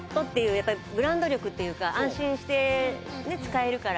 やっぱりブランド力っていうか安心して使えるから。